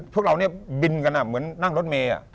พวกเราเนี่ยบินกันเหมือนนั่งรถเมย์